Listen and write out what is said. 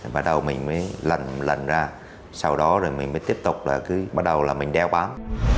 bắt đầu mình mới lần lần ra sau đó rồi mình mới tiếp tục là cứ bắt đầu là mình đeo bám